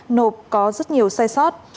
nộp có rất nhiều sai sót